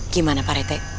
gimana pak rete